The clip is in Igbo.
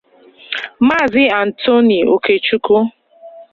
Maazị Anthony Okechukwu